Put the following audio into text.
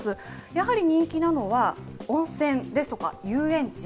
やはり人気なのは、温泉ですとか、遊園地。